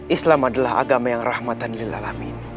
islam adalah agama yang rahmatan lillalamin